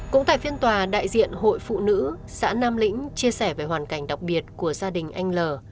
cũng tại phiên tòa đại diện hội phụ nữ xã nam lĩnh chia sẻ về hoàn cảnh đặc biệt của gia đình anh l